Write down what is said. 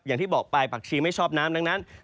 อย่างที่บอกไปผักชีไม่ชอบน้ำดังนั้น